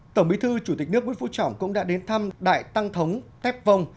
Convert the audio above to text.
tổng bí thư chủ tịch nước nguyễn phú trọng cũng đã đến thăm đại tăng thống thép vông